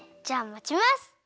じゃあまちます。